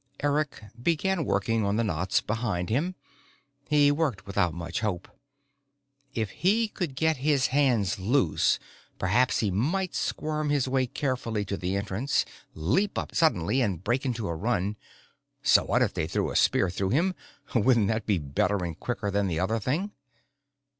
Eric began working on the knots behind him. He worked without much hope. If he could get his hands loose, perhaps he might squirm his way carefully to the entrance, leap up suddenly and break into a run. So what if they threw a spear through him wouldn't that be better and quicker than the other thing?